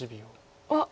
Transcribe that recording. あっ。